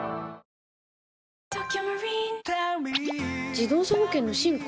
自動車保険の進化？